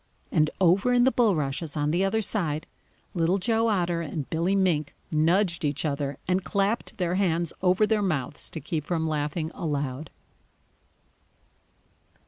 And over in the bulrushes on the other side, Little Joe Otter and Billy Mink nudged each other and clapped their hands over their mouths to keep from laughing aloud.